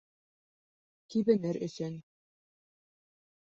Кибенер өсөн.